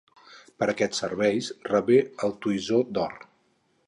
Per aquests serveis rebé el Toisó d'Or.